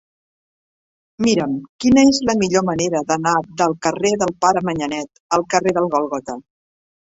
Mira'm quina és la millor manera d'anar del carrer del Pare Manyanet al carrer del Gòlgota.